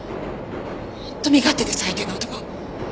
本当身勝手で最低な男。